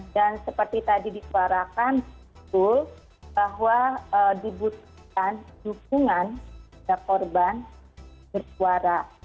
dan seperti tadi disuarakan bahwa dibutuhkan dukungan dari korban bersuara